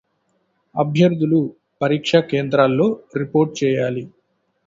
అభ్యర్థులు పరీక్ష కేంద్రాల్లో రిపోర్ట్ చేయాలి